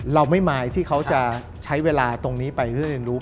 เราไม่มายที่เขาจะใช้เวลาตรงนี้ไปเพื่อเรียนรู้